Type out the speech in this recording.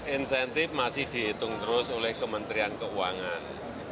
insentif masih dihitung terus oleh kementerian keuangan